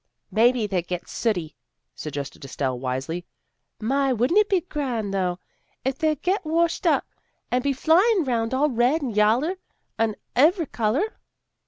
" Maybe they gets sooty," suggested Estelle wisely. " My, wouldn't it be grand, though, if they'd get washed up, and be flying 'round all red and yaller and ev'ry color."